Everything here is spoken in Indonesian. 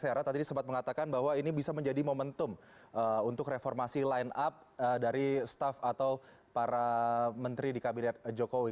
saya rasa tadi sempat mengatakan bahwa ini bisa menjadi momentum untuk reformasi line up dari staff atau para menteri di kabinet jokowi